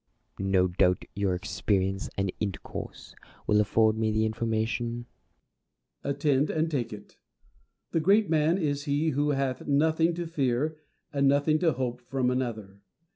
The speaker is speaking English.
Plato. No doubt your experience and intercourse will afford me the information. Diogenes. Attend, and take it. The great man is he who hath nothing to fear and nothing to hope from another.